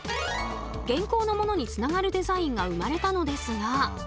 現行のものにつながるデザインが生まれたのですが。